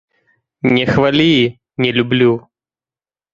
Не хвалі, не люблю!